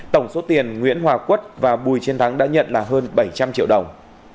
tổng số tiền nguyễn hòa quất và bùi chiến thắng đã nhận là hơn bảy trăm linh triệu đồng